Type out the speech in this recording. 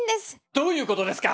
どういうことですか